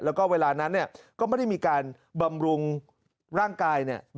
แล้วก็เวลานั้นเนี่ยก็ไม่ได้มีการบำรุงร่างกายเนี่ย